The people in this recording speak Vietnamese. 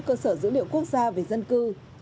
cơ sở dữ liệu quốc gia về dân cư